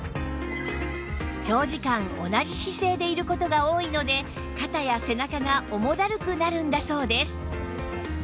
長時間同じ姿勢でいる事が多いので肩や背中が重だるくなるんだそうです